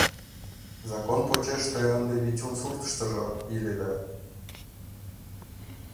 — Закон почеш те ынде Витюн суртыштыжо иледа.